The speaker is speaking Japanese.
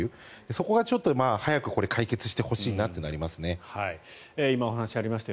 そこが早く解決してほしいなというのはありますね。